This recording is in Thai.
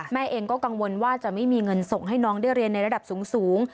แม่เองก็กังวลว่าจะไม่มีเงินส่งให้น้องได้เรียนในระดับสูง